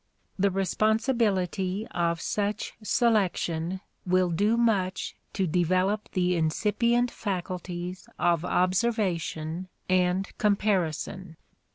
The responsibility of such selection will do much to develop the incipient faculties of observation and comparison.